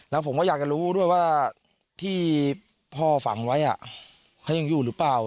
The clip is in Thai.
แล้วผมก็อยากจะรู้ด้วยว่าที่พ่อฝังไว้เขายังอยู่หรือเปล่า